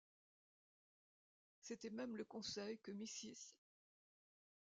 C’était même le conseil que Mrs.